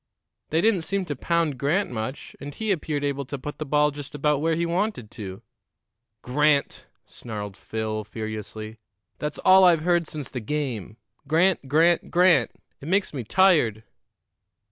"They didn't seem to pound Grant much, and he appeared able to put the ball just about where he wanted to." "Grant!" snarled Phil furiously. "That's all I've heard since the game! Grant, Grant, Grant! It makes me tired!"